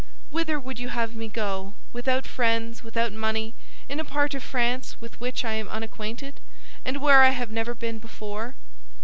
"Whither would you have me go, without friends, without money, in a part of France with which I am unacquainted, and where I have never been before?"